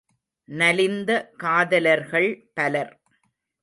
நலிந்த காதலர்கள் பலர்!